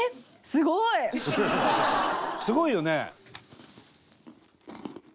すごいよね！